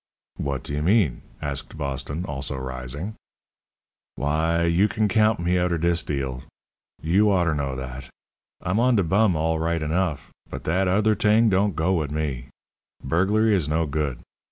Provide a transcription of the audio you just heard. "What do you mean?" asked Boston, also rising. "W'y, you can count me outer dis deal. You oughter know that. I'm on de bum all right enough, but dat other t'ing don't go wit' me. Burglary is no good.